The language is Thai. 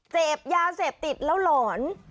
เสพยาเสพติดแล้วหลอน